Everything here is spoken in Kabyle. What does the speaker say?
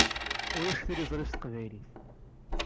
Ulac tiliẓri s teqbaylit.